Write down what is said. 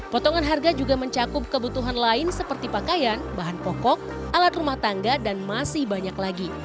potongan harga juga mencakup kebutuhan lain seperti pakaian bahan pokok alat rumah tangga dan masih banyak lagi